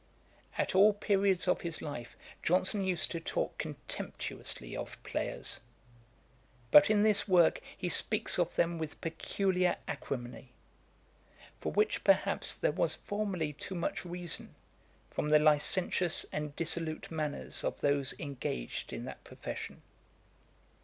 At all periods of his life Johnson used to talk contemptuously of players; but in this work he speaks of them with peculiar acrimony; for which, perhaps, there was formerly too much reason from the licentious and dissolute manners of those engaged in that profession.